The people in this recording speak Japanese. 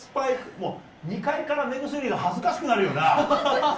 もう２階から目薬が恥ずかしくなるよな。